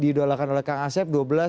diidolakan oleh kang asep